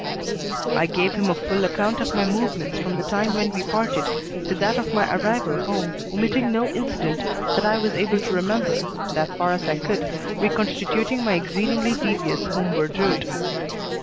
I gave him a full account of my movements from the time when we parted to that of my arrival home, omitting no incident that I was able to remember and, as far as I could, reconstituting my exceedingly devious homeward route.